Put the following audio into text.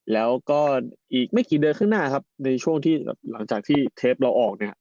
แล้วก็อีกไม่กี่เดือนข้างหน้าครับในช่วงที่หลังจากที่เทปเราออกเนี่ย